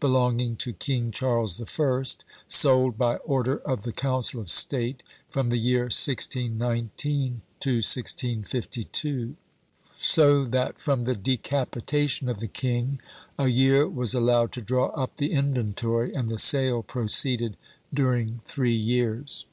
belonging to King Charles the First, sold by order of the Council of State, from the year 1619 to 1652." So that from the decapitation of the king, a year was allowed to draw up the inventory; and the sale proceeded during three years.